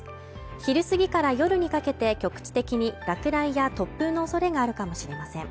昼過ぎから夜にかけて局地的に落雷や突風のおそれがあるかもしれません。